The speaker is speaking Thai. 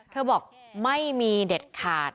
บอกไม่มีเด็ดขาด